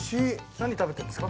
何食べてるんですか？